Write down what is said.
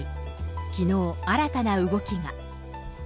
きのう、新たな動きが。